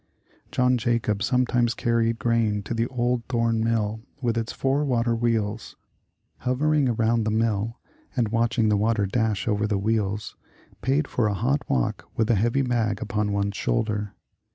John Jacob sometimes carried grain to the old Thorn Mill with its four water wheels. Hovering around the mill, and watching the water dash over the wheels, paid for a hot walk with a heavy bag upon one's shoulder.